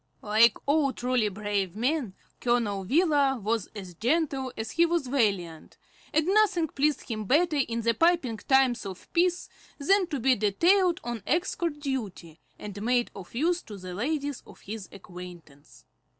Like all truly brave men, Colonel Wheeler was as gentle as he was valiant, and nothing pleased him better in the piping times of peace than to be detailed on escort duty, and made of use to the ladies of his acquaintance.